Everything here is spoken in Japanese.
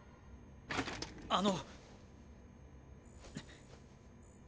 あの。